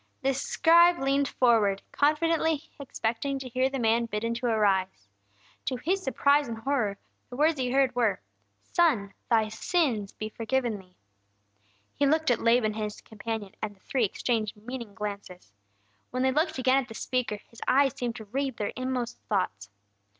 The scribe leaned forward, confidently expecting to hear the man bidden to arise. To his surprise and horror, the words he heard were: "Son, thy sins be forgiven thee!" He looked at Laban and his companion, and the three exchanged meaning glances. When they looked again at the speaker, His eyes seemed to read their inmost thoughts.